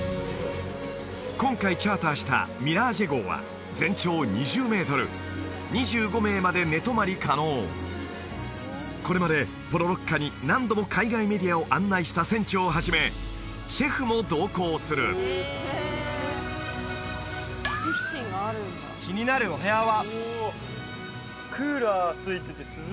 今回チャーターしたミラージェ号は全長２０メートル２５名まで寝泊まり可能これまでポロロッカに何度も海外メディアを案内した船長をはじめシェフも同行する気になるお部屋は？